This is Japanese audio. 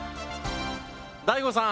大悟さん